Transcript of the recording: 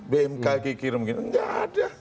bmk kikirim nggak ada